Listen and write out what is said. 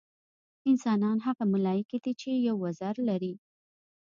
انسانان هغه ملایکې دي چې یو وزر لري.